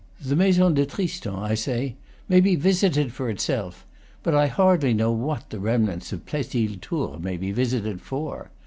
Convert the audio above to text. The Maison de Tristan, I say, may be visited for itself; but I hardly know what the remnants of Plessis les Tours may be visited for.